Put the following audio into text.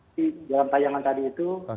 di dalam tayangan tadi itu